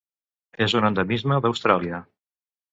És un endemisme d'Austràlia: